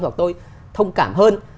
hoặc tôi thông cảm hơn